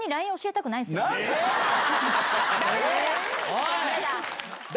おい！